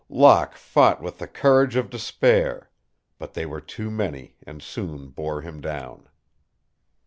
Locke fought with the courage of despair. But they were too many and soon bore him down.